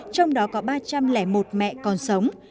trong đó có ba trăm linh một mẹ còn sống